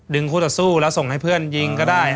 คู่ต่อสู้แล้วส่งให้เพื่อนยิงก็ได้